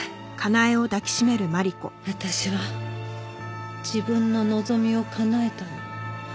私は自分の望みを叶えたの。